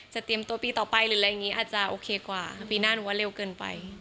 เตรียมตัวปีต่อไปหรืออะไรอย่างนี้อาจจะโอเคกว่าปีหน้าหนูว่าเร็วเกินไป